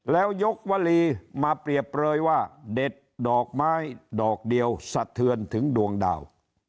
แล้วยกวลีมาเปรียบเปลยว่าเด็ดดอกไม้ดอกเดียวสะเทือนถึงดวงดาว